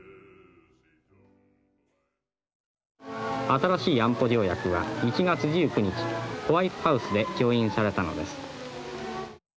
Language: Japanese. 「新しい安保条約は１月１９日ホワイトハウスで調印されたのです」。